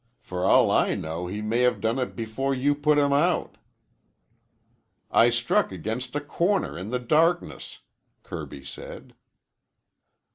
For all I know he may have done it before you put him out." "I struck against a corner in the darkness," Kirby said.